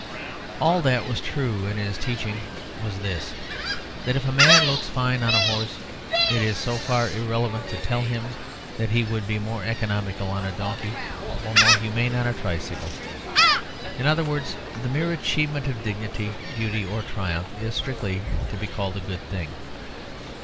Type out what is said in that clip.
All that was true in his teaching was this: that if a man looks fine on a horse it is so far irrelevant to tell him that he would be more economical on a donkey or more humane on a tricycle. In other words, the mere achievement of dignity, beauty, or triumph is strictly to be called a good thing.